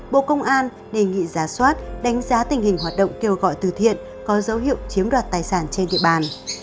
bộ công an đề nghị giả soát đánh giá tình hình hoạt động kêu gọi từ thiện có dấu hiệu chiếm đoạt tài sản trên địa bàn